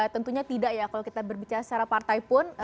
tentunya tidak ya kalau kita berbicara secara partai pun